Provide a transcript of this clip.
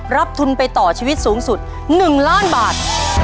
รับทุนไปต่อชีวิตสูงสุด๑ล้านบาท